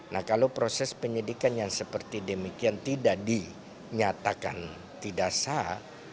nah kalau proses penyidikan yang seperti demikian tidak dinyatakan tidak sah